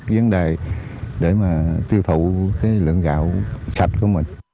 cái vấn đề để mà tiêu thụ cái lượng gạo sạch của mình